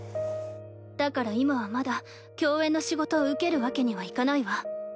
だから今はまだ共演の仕事を受けるわけにはいかないわ。